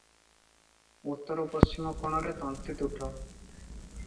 ଉତ୍ତର ପଶ୍ଚିମ କୋଣରେ ତନ୍ତୀତୁଠ ।